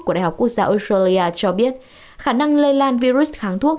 của đại học quốc gia australia cho biết khả năng lây lan virus kháng thuốc